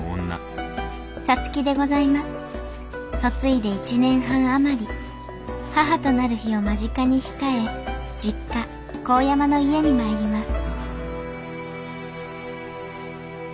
嫁いで１年半余り母となる日を間近に控え実家神山の家に参ります